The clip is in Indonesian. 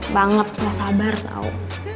banget gak sabar tau